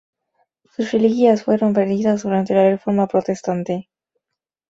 Sus reliquias fueron perdidas durante la reforma protestante.